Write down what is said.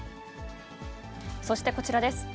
そしてこちらです。